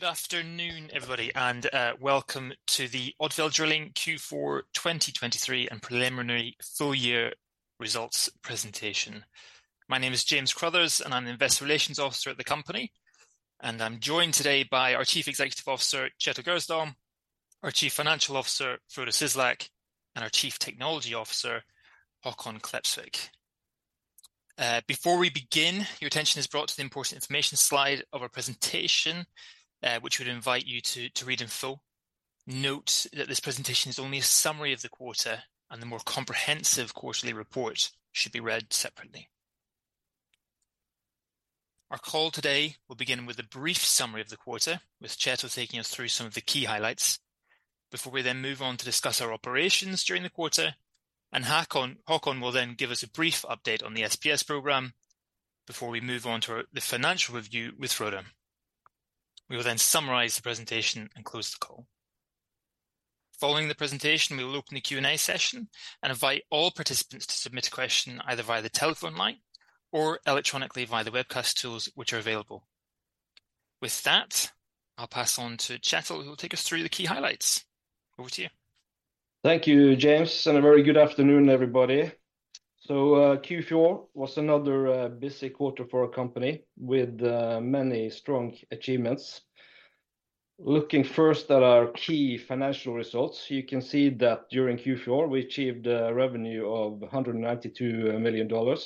Good afternoon, everybody, and welcome to the Odfjell Drilling Q4 2023 and preliminary full year results presentation. My name is James Crothers, and I'm an Investor Relations Officer at the company, and I'm joined today by our Chief Executive Officer, Kjetil Gjersdal, our Chief Financial Officer, Frode Syslak, and our Chief Technology Officer, Håkon Klepsvik. Before we begin, your attention is brought to the important information slide of our presentation, which we would invite you to read in full. Note that this presentation is only a summary of the quarter, and the more comprehensive quarterly report should be read separately. Our call today will begin with a brief summary of the quarter, with Kjetil taking us through some of the key highlights before we then move on to discuss our operations during the quarter, and Håkon will then give us a brief update on the SPS program before we move on to our, the financial review with Frode. We will then summarize the presentation and close the call. Following the presentation, we will open the Q&A session and invite all participants to submit a question either via the telephone line or electronically via the webcast tools which are available. With that, I'll pass on to Kjetil, who will take us through the key highlights. Over to you. Thank you, James, and a very good afternoon, everybody. Q4 was another busy quarter for our company, with many strong achievements. Looking first at our key financial results, you can see that during Q4, we achieved a revenue of $192 million,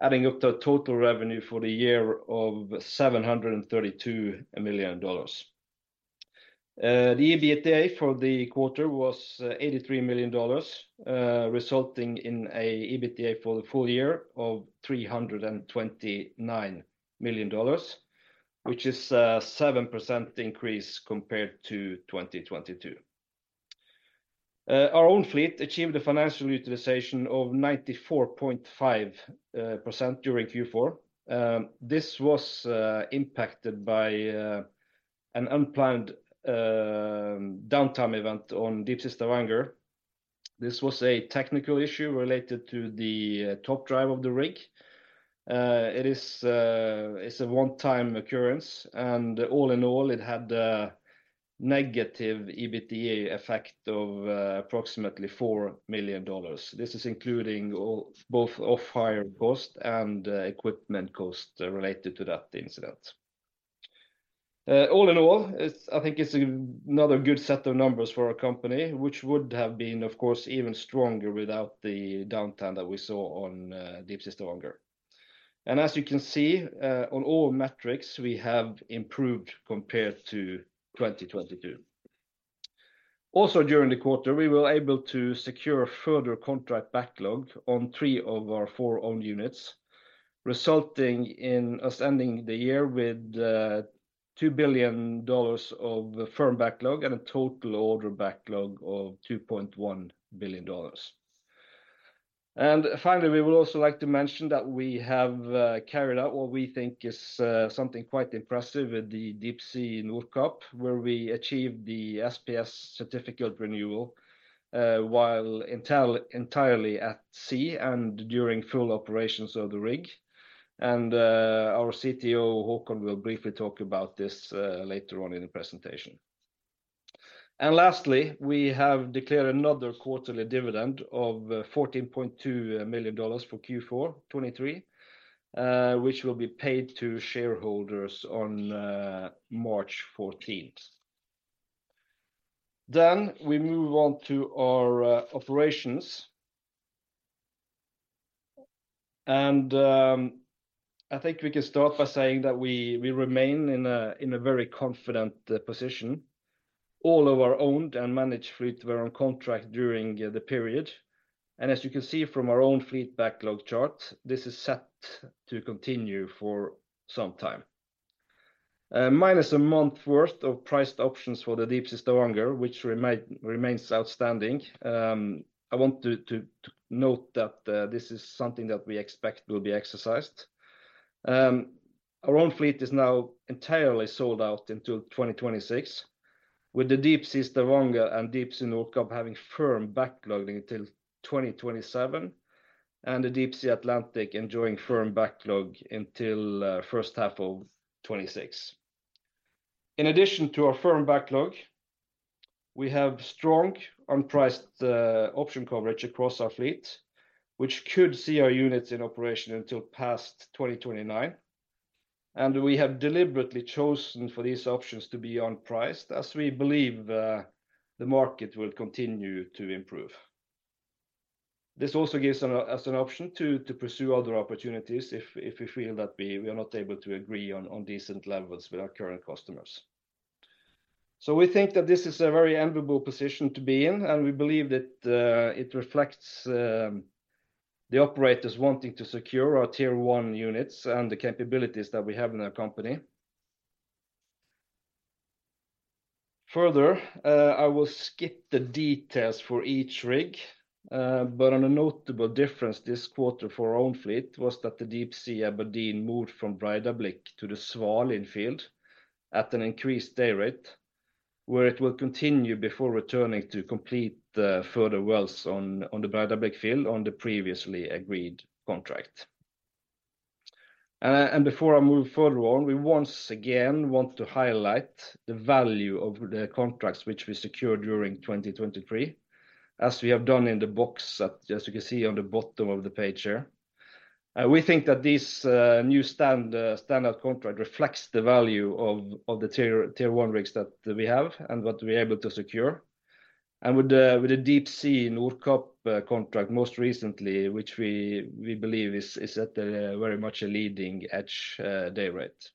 adding up to a total revenue for the year of $732 million. The EBITDA for the quarter was $83 million, resulting in a EBITDA for the full year of $329 million, which is a 7% increase compared to 2022. Our own fleet achieved a financial utilization of 94.5% during Q4. This was impacted by an unplanned downtime event on Deepsea Stavanger. This was a technical issue related to the top drive of the rig. It is, it's a one-time occurrence, and all in all, it had a negative EBITDA effect of approximately $4 million. This is including all, both off-hire cost and equipment cost related to that incident. All in all, it's, I think it's another good set of numbers for our company, which would have been, of course, even stronger without the downtime that we saw on Deepsea Stavanger. And as you can see, on all metrics, we have improved compared to 2022. Also, during the quarter, we were able to secure further contract backlog on three of our four own units, resulting in us ending the year with $2 billion of firm backlog and a total order backlog of $2.1 billion. Finally, we would also like to mention that we have carried out what we think is something quite impressive with the Deepsea Nordkapp, where we achieved the SPS certificate renewal while entirely at sea and during full operations of the rig, and our CTO, Håkon, will briefly talk about this later on in the presentation. Lastly, we have declared another quarterly dividend of $14.2 million for Q4 2023, which will be paid to shareholders on March 14th. Then we move on to our operations. I think we can start by saying that we, we remain in a, in a very confident position. All of our owned and managed fleet were on contract during the period, and as you can see from our own fleet backlog chart, this is set to continue for some time. Nine months worth of priced options for the Deepsea Stavanger, which remains outstanding. I want to note that this is something that we expect will be exercised. Our own fleet is now entirely sold out until 2026, with the Deepsea Stavanger and Deepsea Nordkapp having firm backlog until 2027, and the Deepsea Atlantic enjoying firm backlog until first half of 2026. In addition to our firm backlog, we have strong unpriced option coverage across our fleet, which could see our units in operation until past 2029, and we have deliberately chosen for these options to be unpriced, as we believe the market will continue to improve. This also gives us an option to pursue other opportunities if we feel that we are not able to agree on decent levels with our current customers. So we think that this is a very enviable position to be in, and we believe that it reflects the operators wanting to secure our Tier 1 units and the capabilities that we have in our company. Further, I will skip the details for each rig, but on a notable difference this quarter for our own fleet was that the Deepsea Aberdeen moved from Breidablikk to the Svalin field at an increased day rate, where it will continue before returning to complete the further wells on the Breidablikk field on the previously agreed contract. And before I move further on, we once again want to highlight the value of the contracts which we secured during 2023, as we have done in the box, as you can see on the bottom of the page here. We think that this new standard contract reflects the value of the Tier 1 rigs that we have and what we're able to secure. With the Deepsea Nordkapp contract most recently, which we believe is at a very much a leading edge day rate.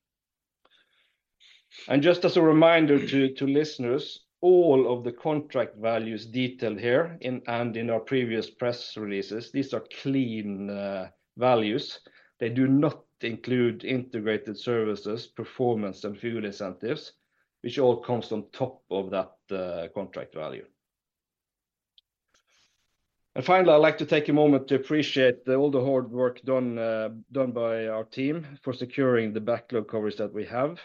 Just as a reminder to listeners, all of the contract values detailed here in and in our previous press releases, these are clean values. They do not include integrated services, performance, and fuel incentives, which all comes on top of that contract value. Finally, I'd like to take a moment to appreciate all the hard work done by our team for securing the backlog coverage that we have.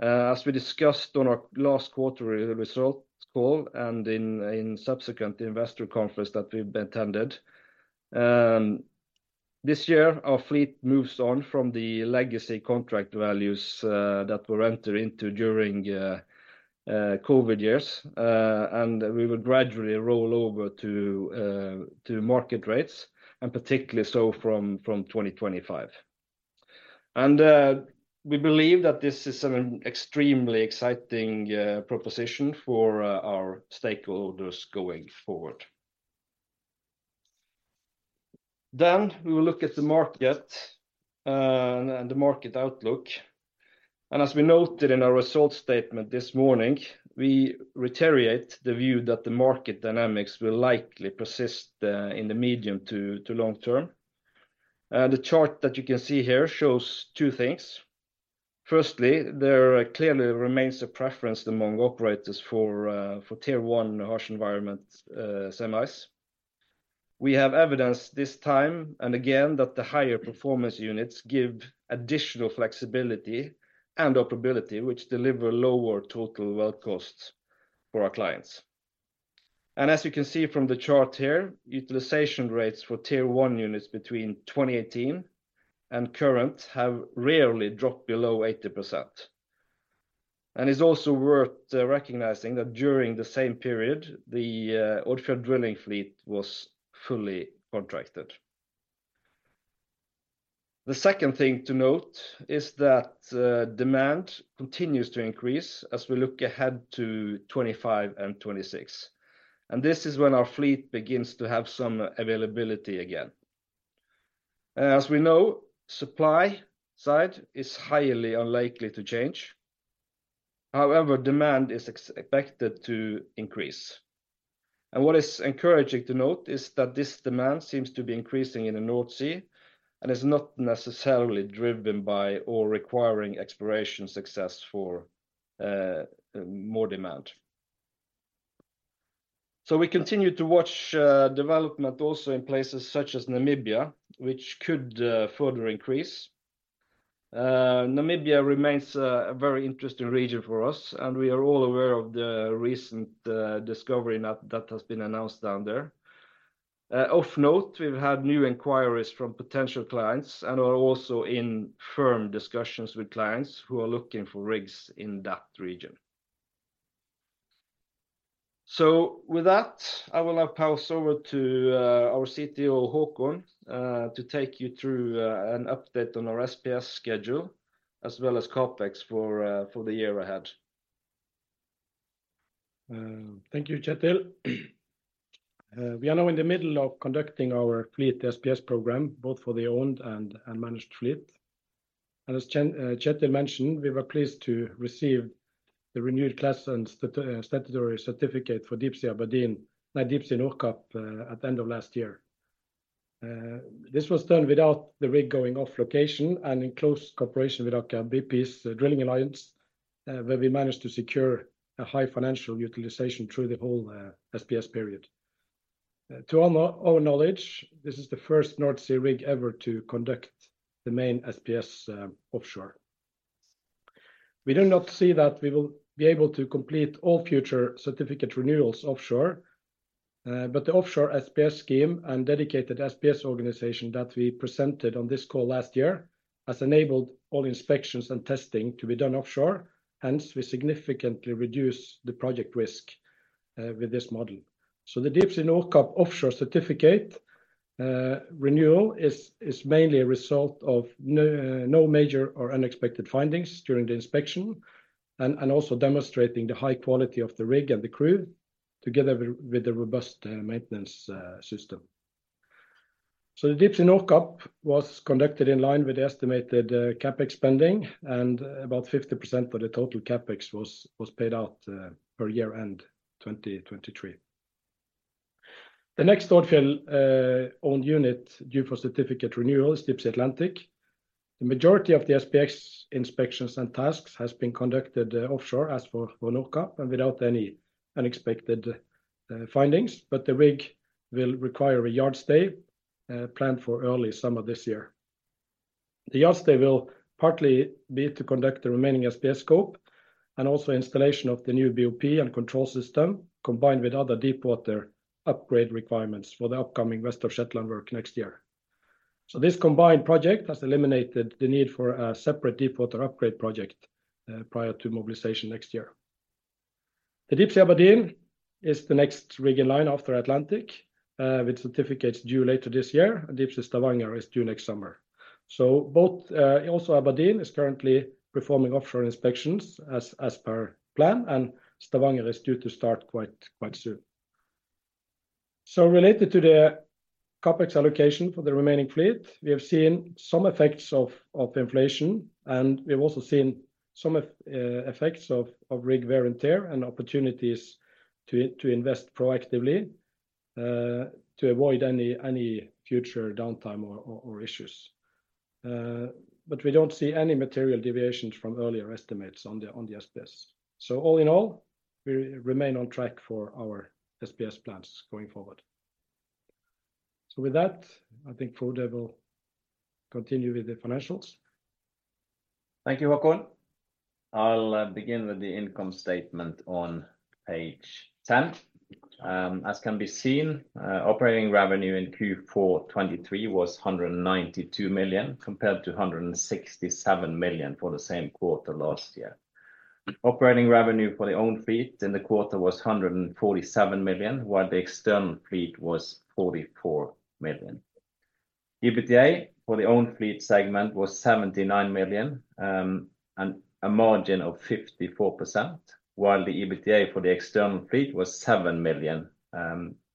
As we discussed on our last quarterly result call and in subsequent investor conference that we've attended this year, our fleet moves on from the legacy contract values that were entered into during COVID years. We will gradually roll over to market rates, and particularly so from 2025. We believe that this is an extremely exciting proposition for our stakeholders going forward. Then we will look at the market and the market outlook. As we noted in our result statement this morning, we reiterate the view that the market dynamics will likely persist in the medium to long term. The chart that you can see here shows two things. Firstly, there clearly remains a preference among operators for Tier 1 harsh environment semis. We have evidenced this time, and again, that the higher performance units give additional flexibility and operability, which deliver lower total well costs for our clients. As you can see from the chart here, utilization rates for Tier 1 units between 2018 and current have rarely dropped below 80%. It's also worth recognizing that during the same period, the Odfjell Drilling fleet was fully contracted. The second thing to note is that demand continues to increase as we look ahead to 2025 and 2026, and this is when our fleet begins to have some availability again. As we know, supply side is highly unlikely to change. However, demand is expected to increase. What is encouraging to note is that this demand seems to be increasing in the North Sea and is not necessarily driven by or requiring exploration success for more demand. We continue to watch development also in places such as Namibia, which could further increase. Namibia remains a very interesting region for us, and we are all aware of the recent discovery that has been announced down there. Of note, we've had new inquiries from potential clients and are also in firm discussions with clients who are looking for rigs in that region. With that, I will now pass over to our CTO, Håkon, to take you through an update on our SPS schedule, as well as CapEx for the year ahead. Thank you, Kjetil. We are now in the middle of conducting our fleet SPS program, both for the owned and managed fleet. As Kjetil mentioned, we were pleased to receive the renewed class and statutory certificate for Deepsea Aberdeen, Deepsea Nordkapp, at the end of last year. This was done without the rig going off location and in close cooperation with our BP's drilling alliance, where we managed to secure a high financial utilization through the whole SPS period. To our knowledge, this is the first North Sea rig ever to conduct the main SPS offshore. We do not see that we will be able to complete all future certificate renewals offshore, but the offshore SPS scheme and dedicated SPS organization that we presented on this call last year has enabled all inspections and testing to be done offshore, hence we significantly reduce the project risk with this model. So the Deepsea Nordkapp offshore certificate renewal is mainly a result of no major or unexpected findings during the inspection, and also demonstrating the high quality of the rig and the crew together with the robust maintenance system. So the Deepsea Nordkapp was conducted in line with the estimated CapEx spending, and about 50% of the total CapEx was paid out per year-end 2023. The next Odfjell owned unit due for certificate renewal is Deepsea Atlantic. The majority of the SPS inspections and tasks has been conducted offshore, as for Nordkapp, and without any unexpected findings, but the rig will require a yard stay, planned for early summer this year. The yard stay will partly be to conduct the remaining SPS scope and also installation of the new BOP and control system, combined with other deepwater- ... upgrade requirements for the upcoming West of Shetland work next year. So this combined project has eliminated the need for a separate deepwater upgrade project, prior to mobilization next year. The Deepsea Aberdeen is the next rig in line after Atlantic, with certificates due later this year, and Deepsea Stavanger is due next summer. So both, also Aberdeen is currently performing offshore inspections as per plan, and Stavanger is due to start quite soon. So related to the CapEx allocation for the remaining fleet, we have seen some effects of inflation, and we've also seen some effects of rig wear and tear, and opportunities to invest proactively, to avoid any future downtime or issues. But we don't see any material deviations from earlier estimates on the SPS. All in all, we remain on track for our SPS plans going forward. With that, I think Frode will continue with the financials. Thank you, Håkon. I'll begin with the income statement on page 10. As can be seen, operating revenue in Q4 2023 was $192 million, compared to $167 million for the same quarter last year. Operating revenue for the own fleet in the quarter was $147 million, while the external fleet was $44 million. EBITDA for the own fleet segment was $79 million, and a margin of 54%, while the EBITDA for the external fleet was $7 million,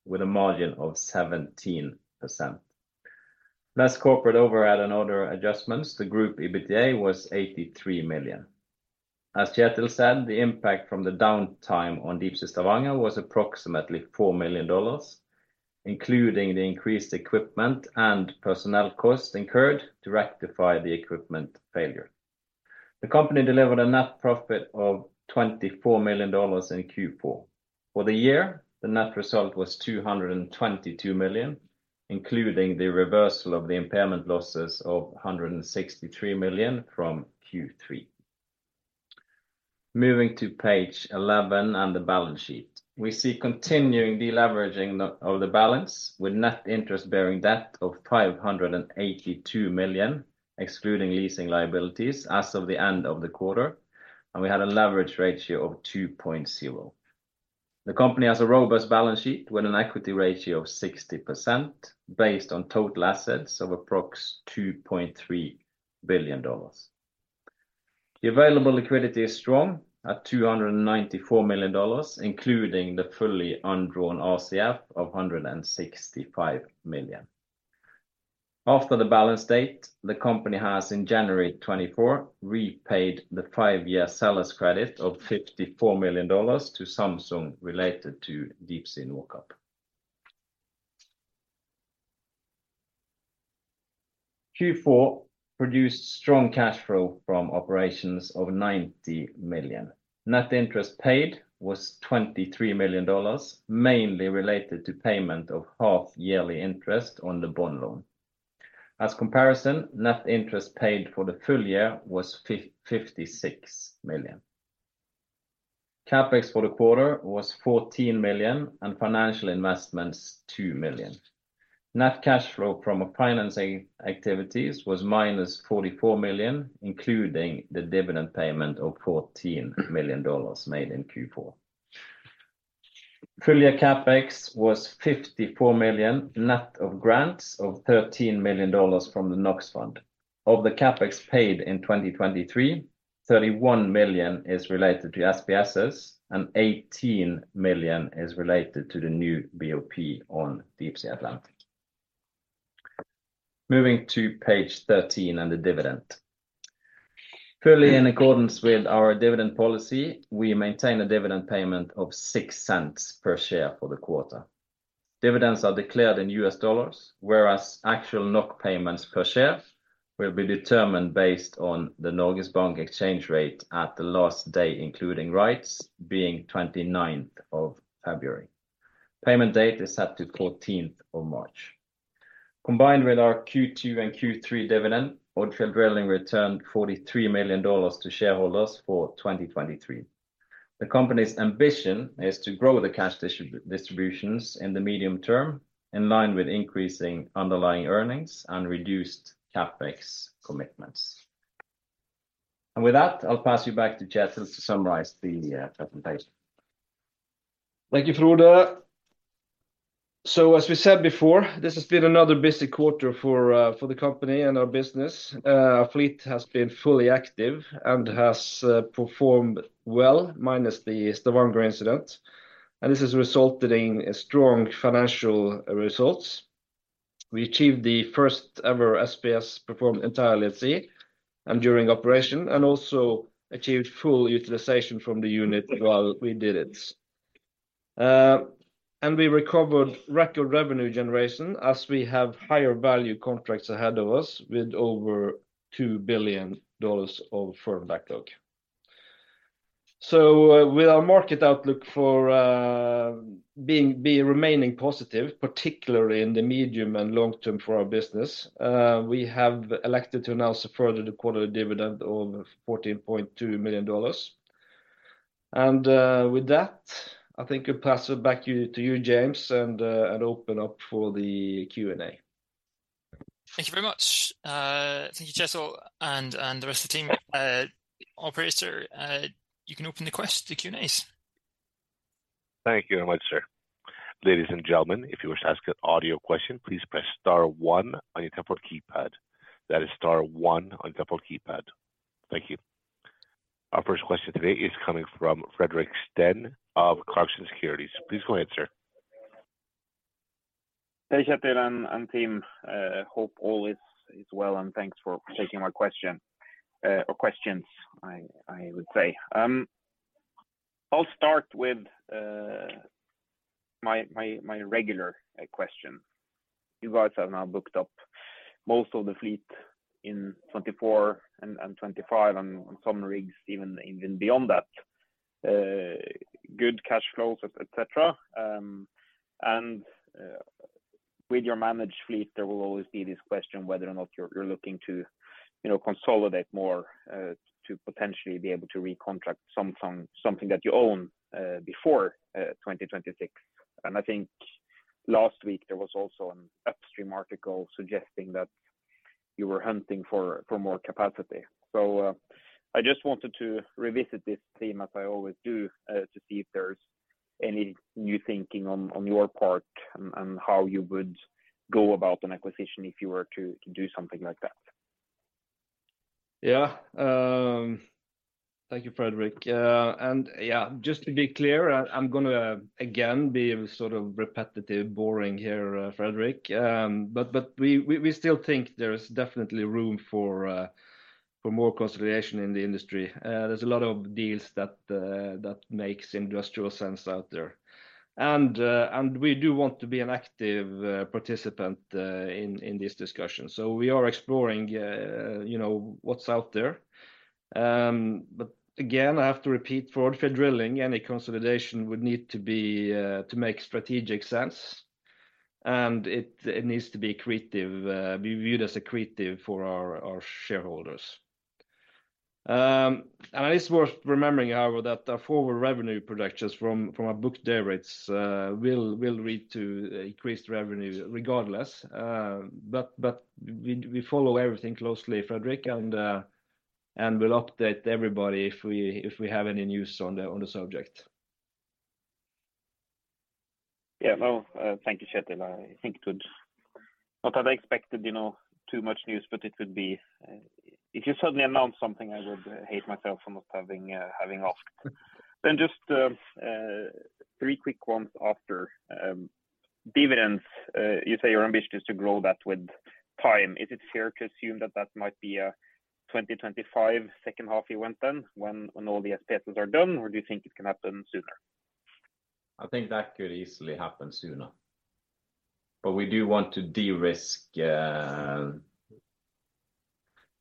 with a margin of 17%. Less corporate overhead and other adjustments, the group EBITDA was $83 million. As Kjetil said, the impact from the downtime on Deepsea Stavanger was approximately $4 million, including the increased equipment and personnel costs incurred to rectify the equipment failure. The company delivered a net profit of $24 million in Q4. For the year, the net result was $222 million, including the reversal of the impairment losses of $163 million from Q3. Moving to page 11 and the balance sheet. We see continuing deleveraging of the balance, with net interest bearing debt of $582 million, excluding leasing liabilities as of the end of the quarter, and we had a leverage ratio of 2.0. The company has a robust balance sheet with an equity ratio of 60%, based on total assets of approx $2.3 billion. The available liquidity is strong at $294 million, including the fully undrawn RCF of $165 million. After the balance date, the company has, in January 2024, repaid the five-year seller's credit of $54 million to Samsung related to Deepsea Nordkapp. Q4 produced strong cash flow from operations of $90 million. Net interest paid was $23 million, mainly related to payment of half-yearly interest on the bond loan. As comparison, net interest paid for the full year was $56 million. CapEx for the quarter was $14 million, and financial investments, $2 million. Net cash flow from our financing activities was -$44 million, including the dividend payment of $14 million made in Q4. Full year CapEx was $54 million, net of grants of $13 million from the NOx Fund. Of the CapEx paid in 2023, $31 million is related to SPSs, and $18 million is related to the new BOP on Deepsea Atlantic. Moving to page 13 and the dividend. Fully in accordance with our dividend policy, we maintain a dividend payment of $0.06 per share for the quarter. Dividends are declared in U.S. dollars, whereas actual NOK payments per share will be determined based on the Norges Bank exchange rate at the last day, including rights, being 29th of February. Payment date is set to 14th of March. Combined with our Q2 and Q3 dividend, Odfjell Drilling returned $43 million to shareholders for 2023. The company's ambition is to grow the cash distributions in the medium term, in line with increasing underlying earnings and reduced CapEx commitments. With that, I'll pass you back to Kjetil to summarize the presentation. Thank you, Frode. So as we said before, this has been another busy quarter for the company and our business. Our fleet has been fully active and has performed well, minus the Stavanger incident, and this has resulted in a strong financial results. We achieved the first ever SPS performed entirely at sea and during operation, and also achieved full utilization from the unit while we did it. We recovered record revenue generation, as we have higher value contracts ahead of us with over $2 billion of firm backlog. So with our market outlook for remaining positive, particularly in the medium and long term for our business, we have elected to announce a further quarterly dividend of $14.2 million. With that, I think we pass it back to you, James, and open up for the Q&A.... Thank you very much. Thank you, Kjetil, and the rest of the team. Operator, you can open the questions, the Q&As. Thank you very much, sir. Ladies and gentlemen, if you wish to ask an audio question, please press star one on your telephone keypad. That is, star one on your telephone keypad. Thank you. Our first question today is coming from Fredrik Stene of Clarksons Securities. Please go ahead, sir. Hey, Kjetil and team. Hope all is well, and thanks for taking my question or questions, I would say. I'll start with my regular question. You guys have now booked up most of the fleet in 2024 and 2025, and on some rigs even beyond that. Good cash flows, etc. And with your managed fleet, there will always be this question whether or not you're looking to, you know, consolidate more to potentially be able to recontract something that you own before 2026. And I think last week there was also an Upstream article suggesting that you were hunting for more capacity. So, I just wanted to revisit this theme, as I always do, to see if there's any new thinking on your part, and how you would go about an acquisition if you were to do something like that. Yeah. Thank you, Fredrik. And yeah, just to be clear, I'm gonna again be sort of repetitive, boring here, Fredrik. But we still think there is definitely room for more consolidation in the industry. There's a lot of deals that makes industrial sense out there. And we do want to be an active participant in this discussion. So we are exploring, you know, what's out there. But again, I have to repeat, for Odfjell Drilling, any consolidation would need to be to make strategic sense, and it needs to be accretive, be viewed as accretive for our shareholders. And it's worth remembering, however, that our forward revenue projections from our book day rates will lead to increased revenue regardless. But we follow everything closely, Fredrik, and we'll update everybody if we have any news on the subject. Yeah. Well, thank you, Kjetil. I think it would... Not that I expected, you know, too much news, but it would be, if you suddenly announce something, I would hate myself for not having, having asked. Then just, three quick ones after, dividends. You say your ambition is to grow that with time. Is it fair to assume that that might be a 2025 second half event then, when, when all the SPS are done, or do you think it can happen sooner? I think that could easily happen sooner. But we do want to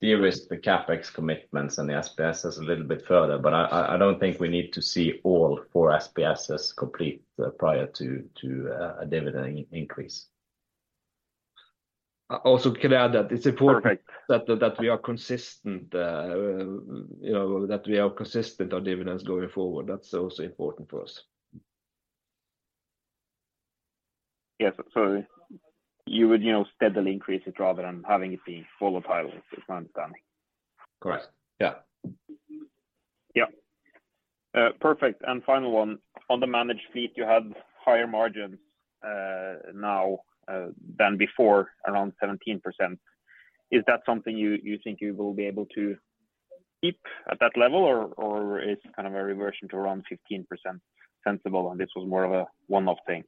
de-risk the CapEx commitments and the SPSs a little bit further, but I don't think we need to see all four SPSs complete prior to a dividend increase. Also, can I add that it's important- Okay... that we are consistent, you know, that we are consistent on dividends going forward. That's also important for us. Yes. So you would, you know, steadily increase it rather than having it be volatile, is my understanding? Correct. Yeah. Yeah. Perfect, and final one. On the managed fleet, you have higher margins now than before, around 17%. Is that something you think you will be able to keep at that level or is kind of a reversion to around 15% sensible, and this was more of a one-off thing?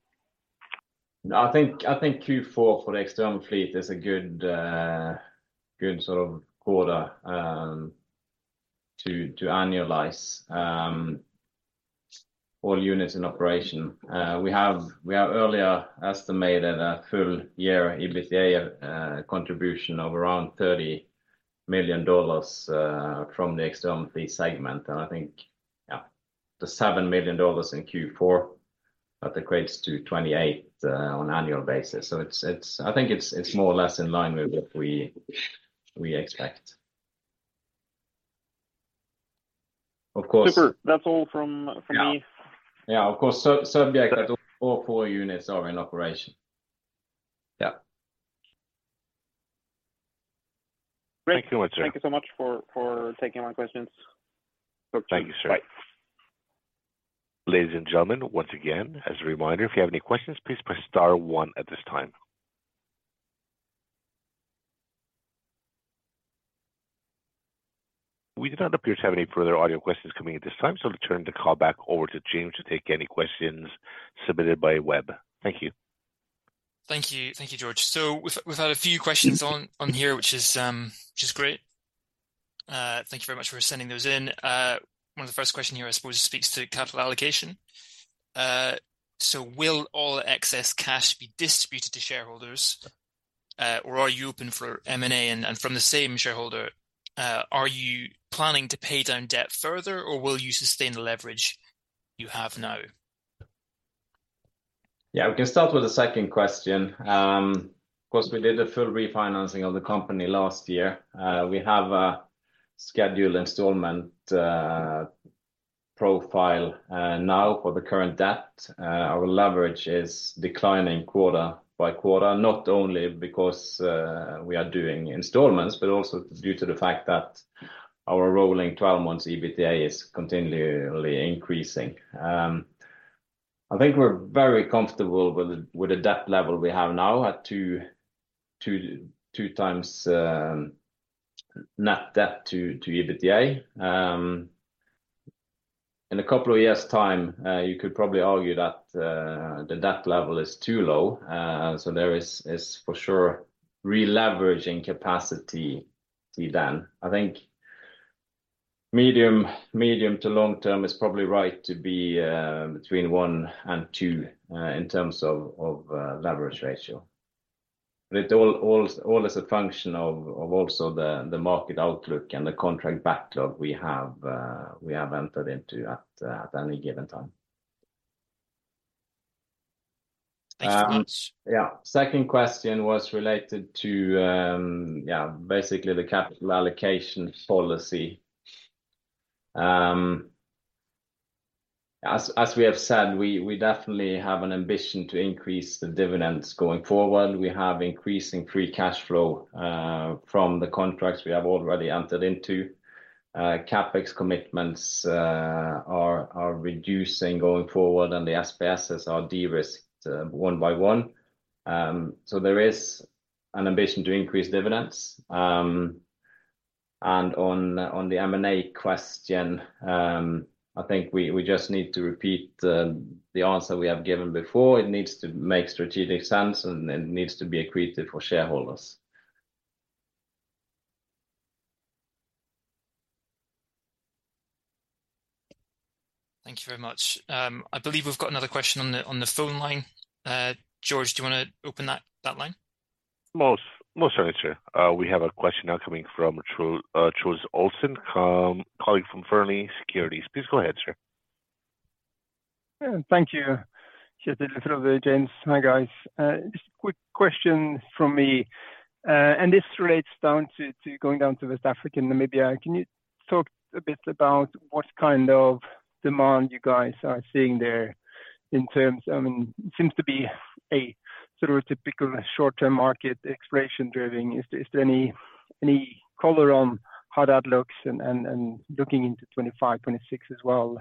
I think Q4 for the external fleet is a good, good sort of quarter to annualize all units in operation. We have earlier estimated a full year EBITDA contribution of around $30 million from the external fleet segment. And I think, yeah, the $7 million in Q4, that equates to 28 on annual basis. So it's— I think it's more or less in line with what we expect. Of course- Super. That's all from me. Yeah. Yeah, of course, so certainly all four units are in operation. Yeah. Thank you much, sir. Thank you so much for taking my questions. Thank you, sir. Bye. Ladies and gentlemen, once again, as a reminder, if you have any questions, please press star one at this time. We do not appear to have any further audio questions coming in at this time, so I'll turn the call back over to James to take any questions submitted by web. Thank you. Thank you. Thank you, George. So we've had a few questions on here, which is great. Thank you very much for sending those in. One of the first question here, I suppose, speaks to capital allocation. So will all excess cash be distributed to shareholders, or are you open for M&A? And from the same shareholder, are you planning to pay down debt further, or will you sustain the leverage you have now? Yeah, we can start with the second question. Because we did a full refinancing of the company last year, we have a scheduled installment profile now for the current debt. Our leverage is declining quarter by quarter, not only because we are doing installments, but also due to the fact that our rolling 12 months EBITDA is continually increasing. I think we're very comfortable with the debt level we have now at 2x net debt to EBITDA. In a couple of years' time, you could probably argue that the debt level is too low. So there is for sure re-leveraging capacity to be done. I think medium to long term is probably right to be between 1 and 2 in terms of leverage ratio. It all is a function of also the market outlook and the contract backlog we have entered into at any given time. Thanks very much. Yeah, second question was related to basically the capital allocation policy. As we have said, we definitely have an ambition to increase the dividends going forward. We have increasing free cash flow from the contracts we have already entered into. CapEx commitments are reducing going forward, and the SPS are de-risked one by one. So there is an ambition to increase dividends. And on the M&A question, I think we just need to repeat the answer we have given before. It needs to make strategic sense, and it needs to be accretive for shareholders. Thank you very much. I believe we've got another question on the, on the phone line. George, do you wanna open that, that line? Most, most certainly, sir. We have a question now coming from Truls Olsen, calling from Fearnley Securities. Please go ahead, sir. Thank you. Kjetil, Frode, James. Hi, guys. Just a quick question from me, and this relates down to going down to West African Namibia. Can you talk a bit about what kind of demand you guys are seeing there in terms... I mean, it seems to be a sort of a typical short-term market exploration driving. Is there any color on how that looks and looking into 2025, 2026 as well?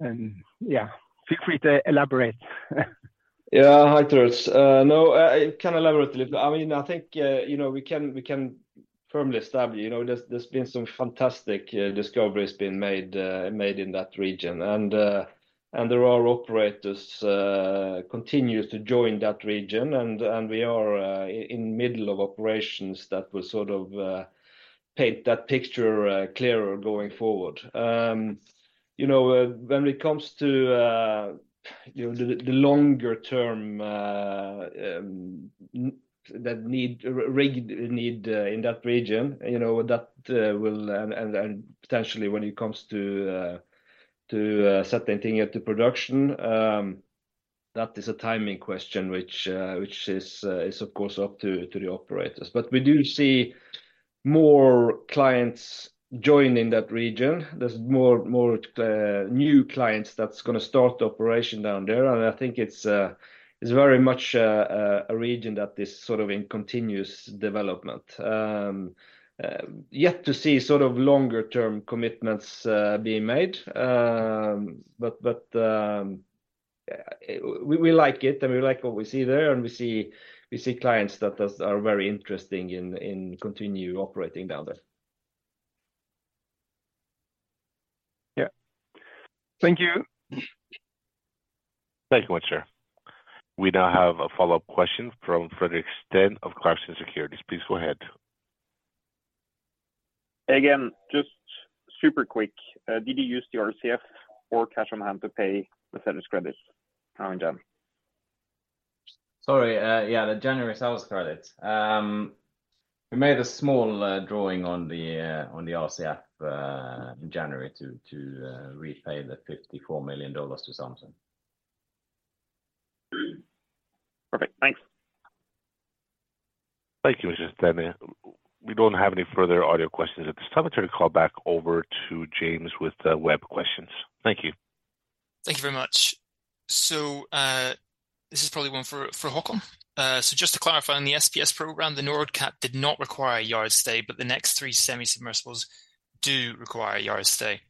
And yeah, feel free to elaborate. Yeah. Hi, Truls. No, I can elaborate a little. I mean, I think, you know, we can, we can firmly establish, you know, there's, there's been some fantastic discoveries being made, made in that region. And there are operators continues to join that region and, and we are, in middle of operations that will sort of, paint that picture, clearer going forward. You know, when it comes to, you know, the, the longer term, that need, rig need, in that region, you know, that, will, and, and potentially when it comes to, to, setting anything into production, that is a timing question, which, which is, is of course, up to, to the operators. But we do see more clients joining that region. There's more new clients that's gonna start operation down there, and I think it's very much a region that is sort of in continuous development. Yet to see sort of longer term commitments being made. But we like it and we like what we see there, and we see clients that are very interesting in continue operating down there. Yeah. Thank you. Thank you much, sir. We now have a follow-up question from Fredrik Stene of Clarksons Securities. Please go ahead. Again, just super quick. Did you use the RCF or cash on hand to pay the seller's credits in January? Sorry, yeah, the January sellers credit. We made a small drawing on the RCF in January to repay the $54 million to Samsung. Perfect. Thanks. Thank you, Mr. Stene. We don't have any further audio questions at this time. I'll turn the call back over to James with the web questions. Thank you. Thank you very much. So, this is probably one for, for Håkon. So just to clarify on the SPS program, the Nordkapp did not require a yard stay, but the next three semi-submersibles do require a yard stay.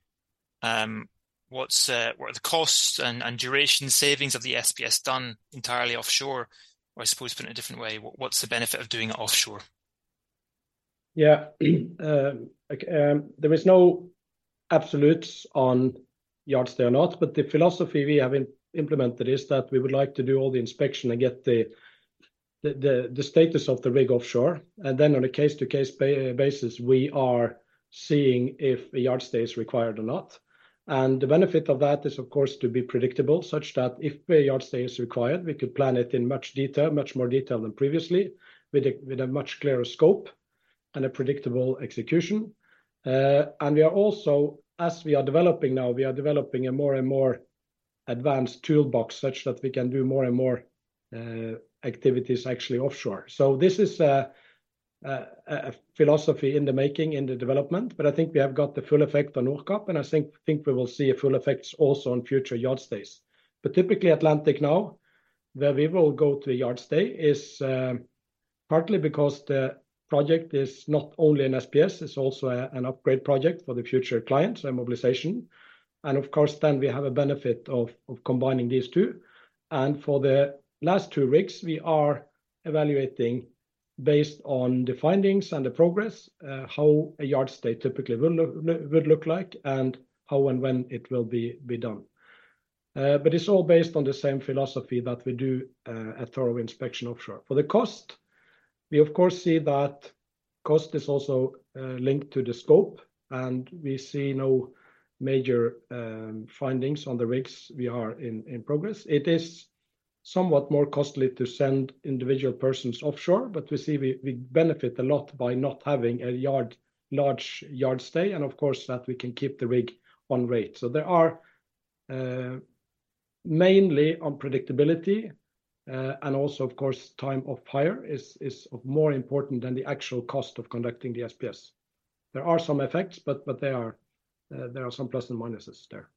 What are the costs and duration savings of the SPS done entirely offshore? Or I suppose, put in a different way, what's the benefit of doing it offshore? Yeah. Like, there is no absolutes on yard stay or not, but the philosophy we have implemented is that we would like to do all the inspection and get the status of the rig offshore. And then on a case-to-case basis, we are seeing if a yard stay is required or not. And the benefit of that is, of course, to be predictable, such that if a yard stay is required, we could plan it in much more detail than previously, with a much clearer scope and a predictable execution. And we are also, as we are developing now, we are developing a more and more-... advanced toolbox such that we can do more and more activities actually offshore. So this is a philosophy in the making, in the development, but I think we have got the full effect on Nordkapp, and I think we will see a full effects also on future yard stays. But typically, Atlantic now, where we will go to a yard stay is partly because the project is not only an SPS, it's also an upgrade project for the future clients and mobilization. And of course, then we have a benefit of combining these two. And for the last two rigs, we are evaluating based on the findings and the progress, how a yard stay typically will look like, and how and when it will be done. But it's all based on the same philosophy that we do a thorough inspection offshore. For the cost, we of course see that cost is also linked to the scope, and we see no major findings on the rigs we are in progress. It is somewhat more costly to send individual persons offshore, but we see we benefit a lot by not having a large yard stay, and of course, that we can keep the rig on rate. So there are mainly on predictability, and also, of course, time of hire is of more important than the actual cost of conducting the SPS. There are some effects, but there are some plus and minuses there.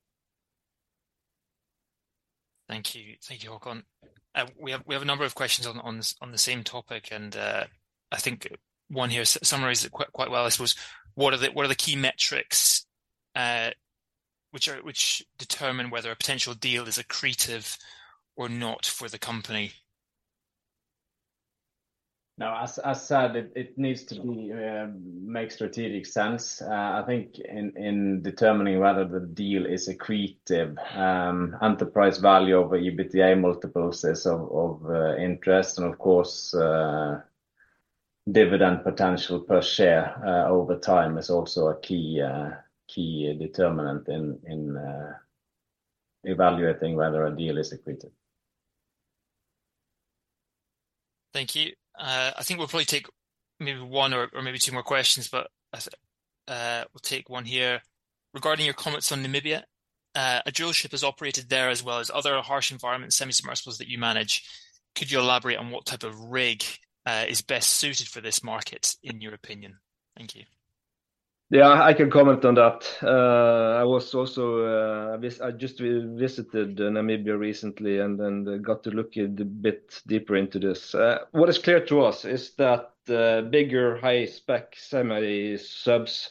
Thank you. Thank you, Håkon. We have, we have a number of questions on the same topic, and I think one here summarizes it quite, quite well. I suppose, what are the, what are the key metrics, which are which determine whether a potential deal is accretive or not for the company? Now, as said, it needs to be make strategic sense. I think in determining whether the deal is accretive, enterprise value over EBITDA multiples is of interest. And of course, dividend potential per share over time is also a key key determinant in evaluating whether a deal is accretive. Thank you. I think we'll probably take maybe one or maybe two more questions, but we'll take one here. Regarding your comments on Namibia, a drillship has operated there as well as other harsh environment semi-submersibles that you manage. Could you elaborate on what type of rig is best suited for this market, in your opinion? Thank you. Yeah, I can comment on that. I was also, I just visited Namibia recently, and then got to look a bit deeper into this. What is clear to us is that the bigger, high-spec semi-subs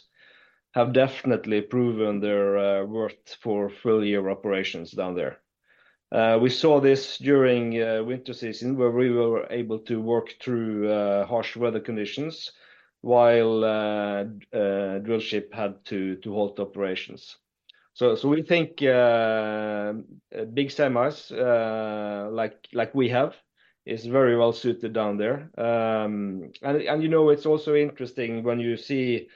have definitely proven their worth for full year operations down there. We saw this during winter season, where we were able to work through harsh weather conditions while drillship had to halt operations. So, so we think, big semis, like, like we have, is very well suited down there. And you know, it's also interesting when you see,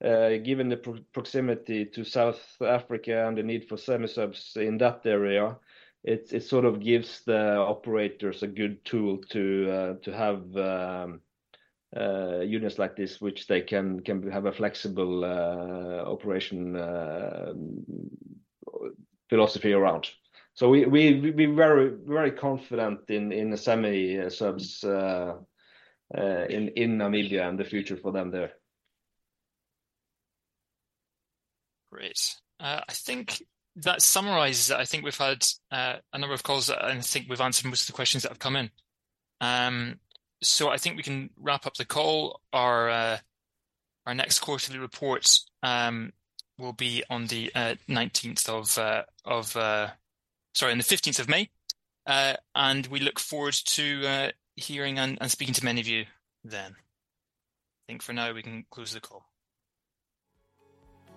given the proximity to South Africa and the need for semi-subs in that area, it sort of gives the operators a good tool to have units like this, which they can have a flexible operation philosophy around. So we're very, very confident in the semi-subs in Namibia and the future for them there. Great. I think that summarizes it. I think we've had a number of calls, and I think we've answered most of the questions that have come in. So I think we can wrap up the call. Our our next quarterly report will be on the nineteenth of of Sorry, on the fifteenth of May. And we look forward to hearing and speaking to many of you then. I think for now, we can close the call.